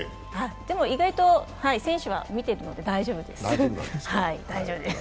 でも意外と選手は見てるので大丈夫です。